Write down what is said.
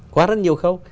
qua rất nhiều khâu